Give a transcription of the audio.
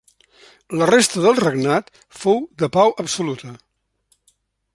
La resta del regnat fou de pau absoluta.